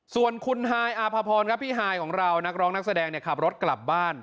ส่วนคุณฮายอาภพรครับพี่ฮายของเรานักร้องนักแสดงขับรถกลับบ้าน